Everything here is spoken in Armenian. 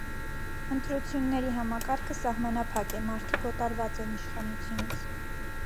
Ընտրությունների համակարգը սահմանափակ է, մարդիկ օտարված են իշխանությունից։